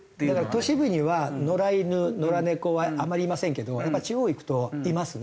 都市部には野良犬野良猫はあんまりいませんけど地方行くといますね。